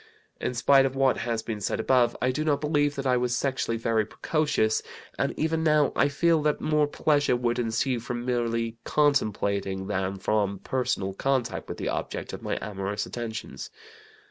"In spite of what has been said above, I do not believe that I was sexually very precocious, and even now I feel that more pleasure would ensue from merely contemplating than from personal contact with the object of my amorous attentions.